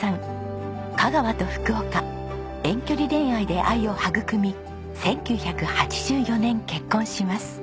香川と福岡遠距離恋愛で愛を育み１９８４年結婚します。